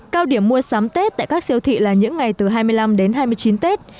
cao điểm mua sắm tết tại các siêu thị là những ngày từ hai mươi năm đến hai mươi chín tết